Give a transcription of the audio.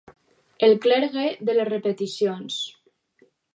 El clergue de les repeticions.